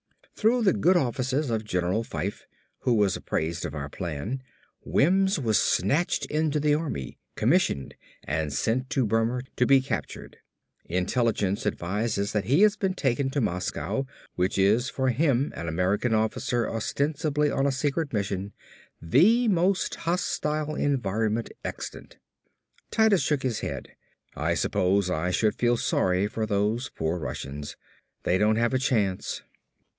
"Through the good offices of General Fyfe, who was apprised of our plan, Wims was snatched into the Army, commissioned and sent to Burma to be captured. Intelligence advises that he has been taken to Moscow which is for him, an American officer ostensibly on a secret mission, the most hostile environment extant." Titus shook his head. "I suppose I should feel sorry for those poor Russians. They don't have a chance."